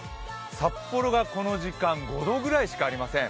札幌がこの時間、５度ぐらいしかありません。